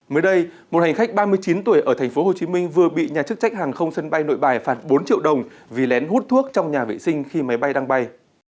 mới đây một hành khách ba mươi chín tuổi ở tp hcm vừa bị nhà chức trách hàng không sân bay nội bài phạt bốn triệu đồng vì lén hút thuốc trong nhà vệ sinh khi máy bay đang bay